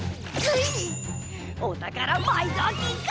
おたからまいぞうきんか！